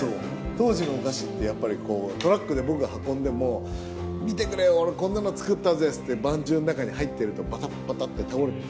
当時のお菓子ってやっぱりトラックで僕が運んでも「見てくれよ俺こんなの作ったぜ！」って言ってばんじゅうの中に入ってるとバタっバタって倒れてる。